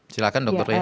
silahkan dokter lia